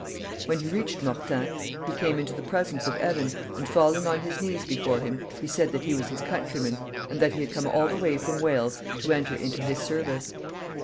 When he reached Mortain, he came into the presence of Evan, and, falling on his knees before him, he said that he was his countryman, and that he had come all the way from Wales to enter into his service.